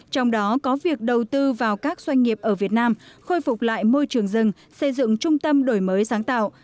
trong đó có việc đầu tư vào các doanh nghiệp ở việt nam khôi phục lại môi trường rừng xây dựng trung tâm đổi mới sáng tạo